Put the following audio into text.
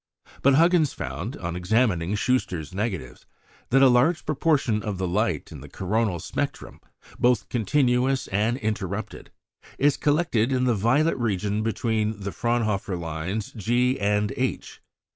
But Huggins found, on examining Schuster's negatives, that a large proportion of the light in the coronal spectrum, both continuous and interrupted, is collected in the violet region between the Fraunhofer lines G and H.